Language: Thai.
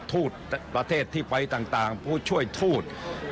ทูตประเทศที่ไปต่างผู้ช่วยทูต